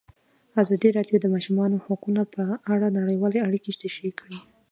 ازادي راډیو د د ماشومانو حقونه په اړه نړیوالې اړیکې تشریح کړي.